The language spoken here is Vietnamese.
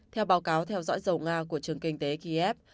theo báo cáo theo dõi dầu nga của trường kinh tế kiev